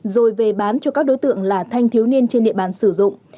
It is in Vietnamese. rồi về bán cho các đối tượng là thanh thiếu niên trên địa bàn sử dụng